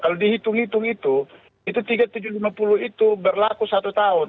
kalau dihitung hitung itu itu tiga tujuh puluh lima itu berlaku satu tahun